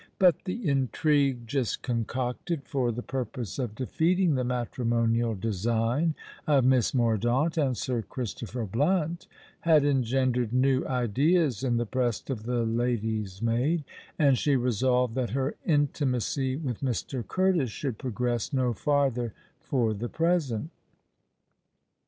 But the intrigue just concocted for the purpose of defeating the matrimonial design of Miss Mordaunt and Sir Christopher Blunt, had engendered new ideas in the breast of the lady's maid; and she resolved that her intimacy with Mr. Curtis should progress no farther for the present.